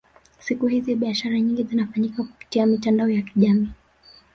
siku hizi biashara nyingi zinafanyika kupitia mitandao ya kijamii